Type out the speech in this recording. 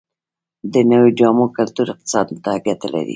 د نویو جامو کلتور اقتصاد ته ګټه لري؟